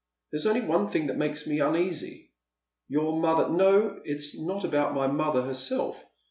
" There's only one thing that makes me uneasy." " Your mother "" No, it's not about mother herself.